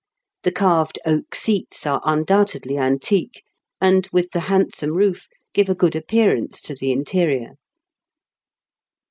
The carved oak seats are un doubtedly antique, and, with the handsome roof, give a good appearance to the interior.